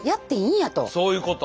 そういうこと。